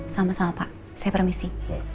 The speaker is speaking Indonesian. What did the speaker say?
sama sama pak saya permisi